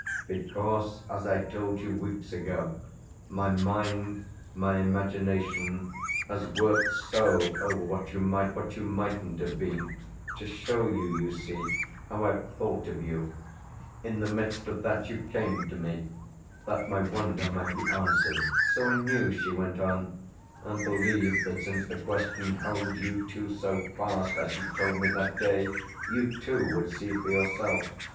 "Because, as I told you weeks ago, my mind, my imagination, has worked so over what you might, what you mightn't have been to show you, you see, how I've thought of you. In the midst of that you came to me that my wonder might be answered. So I knew," she went on; "and believed that, since the question held you too so fast, as you told me that day, you too would see for yourself.